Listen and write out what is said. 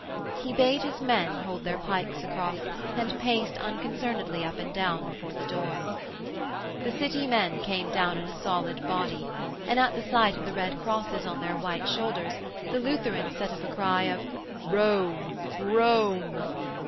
He bade his men hold their pikes across, and paced unconcernedly up and down before the door. The City men came down in a solid body, and at sight of the red crosses on their white shoulders the Lutherans set up a cry of 'Rome, Rome.'